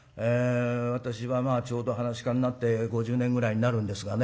私はまあちょうど噺家になって５０年ぐらいになるんですがね